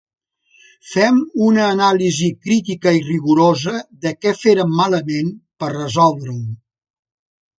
Fem una anàlisi crítica i rigorosa de què férem malament per resoldre-ho.